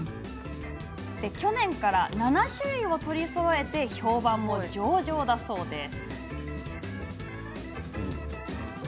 昨年から７種類を取りそろえ評判も上々です。